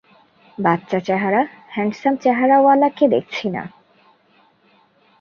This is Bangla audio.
বাচ্চা চেহারা, হ্যান্ডসাম চেহারাওয়ালাকে দেখছি না।